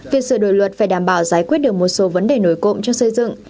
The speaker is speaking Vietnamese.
việc sửa đổi luật phải đảm bảo giải quyết được một số vấn đề nổi cộng cho xây dựng